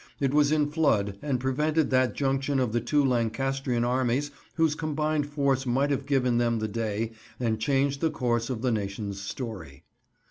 It was in flood and prevented that junction of the two Lancastrian armies whose combined force might have given them the day and changed the course of the nation's story.